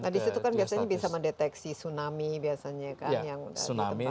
nah di situ kan biasanya bisa mendeteksi tsunami biasanya kan yang ditempatkan